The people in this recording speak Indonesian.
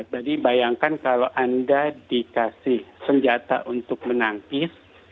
jadi bayangkan kalau anda dikasih senjata untuk menangkis